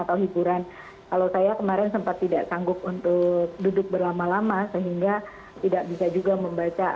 atau hiburan kalau saya kemarin sempat tidak sanggup untuk duduk berlama lama sehingga tidak bisa juga membaca